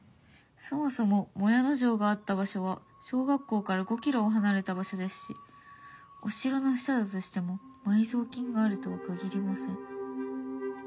そもそも靄野城があった場所は小学校から５キロ離れた場所ですしお城の下だとしても埋蔵金があるとは限りません」。